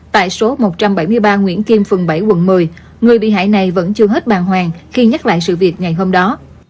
tại số một trăm bảy mươi ba nguyễn kim phường bảy quận một mươi người bị hại này vẫn chưa hết bàng hoàng khi nhắc lại sự việc ngày hôm đó